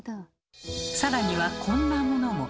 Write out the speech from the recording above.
更にはこんなものも。